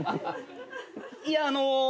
いやあのう。